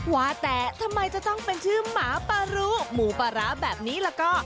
ว่าแต่ทำไมจะต้องเป็นชื่อหมาปลารู้หมูปลาร้าแบบนี้ล่ะก็